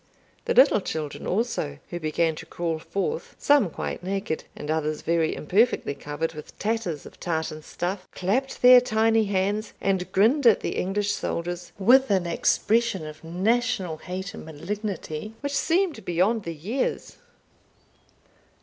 The little children also, who began to crawl forth, some quite naked, and others very imperfectly covered with tatters of tartan stuff, clapped their tiny hands, and grinned at the English soldiers, with an expression of national hate and malignity which seemed beyond their years.